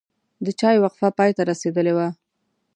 د چای وقفه پای ته رسیدلې وه.